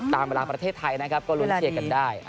ตามเวลาประเทศไทยนะครับก็ลุ้นเชียร์กันได้